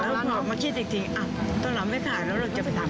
แล้วพอมาคิดอีกทีตอนนั้นไม่ขายแล้วเราจะจับ